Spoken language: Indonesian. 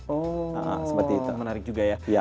oh seperti itu menarik juga ya